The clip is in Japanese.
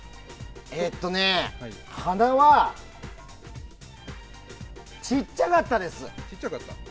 鼻は、ちっちゃかったです。